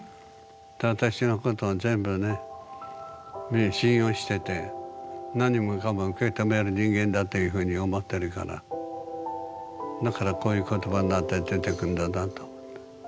私のことを全部ね信用してて何もかも受け止める人間だというふうに思ってるからだからこういう言葉になって出てくんだなと。